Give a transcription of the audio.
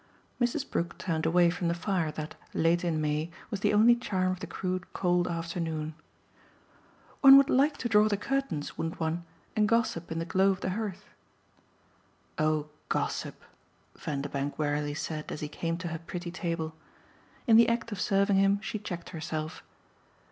Mrs. Brook turned away from the fire that, late in May, was the only charm of the crude cold afternoon. "One would like to draw the curtains, wouldn't one? and gossip in the glow of the hearth." "Oh 'gossip'!" Vanderbank wearily said as he came to her pretty table. In the act of serving him she checked herself.